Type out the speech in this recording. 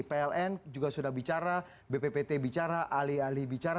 pln juga sudah bicara bppt bicara ali ali bicara